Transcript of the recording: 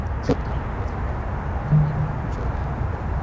ছবিটির পরিচালক রাম মুখোপাধ্যায় এবং সুরকার বাপ্পী লাহিড়ী।